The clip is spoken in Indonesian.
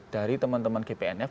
dari teman teman gpnf